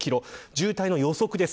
渋滞の予測です。